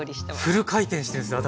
フル回転してるんですね頭。